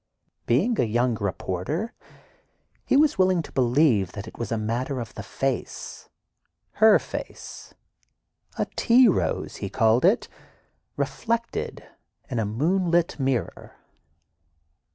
Being a young reporter, he was willing to believe that it was a matter of the face—her face: "A tea rose" he called it, "reflected in a moonlit mirror."